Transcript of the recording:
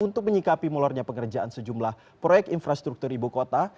untuk menyikapi mulurnya pengerjaan sejumlah proyek infrastruktur ibu kota